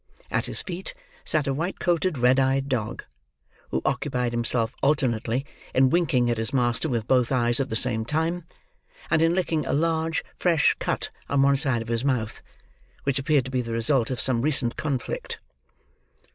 At his feet, sat a white coated, red eyed dog; who occupied himself, alternately, in winking at his master with both eyes at the same time; and in licking a large, fresh cut on one side of his mouth, which appeared to be the result of some recent conflict.